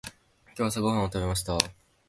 今日朝ごはんを食べました。